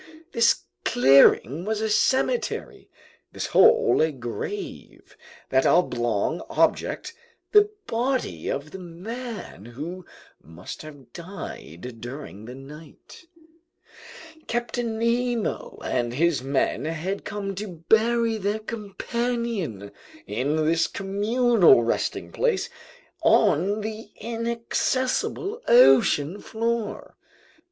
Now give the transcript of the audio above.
This clearing was a cemetery, this hole a grave, that oblong object the body of the man who must have died during the night! Captain Nemo and his men had come to bury their companion in this communal resting place on the inaccessible ocean floor!